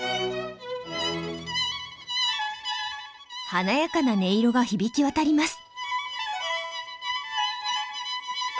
華やかな音色が響き渡ります。